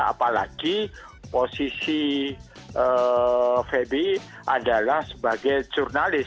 apalagi posisi febi adalah sebagai jurnalis